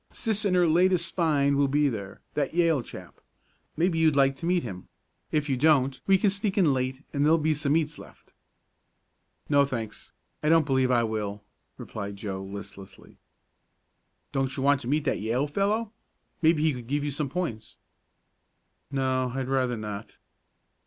"Sis and her latest find will be there that Yale chap. Maybe you'd like to meet him. If you don't we can sneak in late and there'll be some eats left." "No, thanks, I don't believe I will," replied Joe listlessly. "Don't you want to meet that Yale fellow? Maybe he could give you some points." "No, I'd rather not."